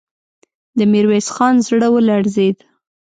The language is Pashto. د ميرويس خان زړه ولړزېد.